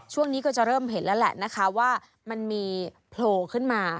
ช่วงนี้ก็จะเริ่มเห็นแล้วแหละนะคะว่ามันมีโผล่ขึ้นมา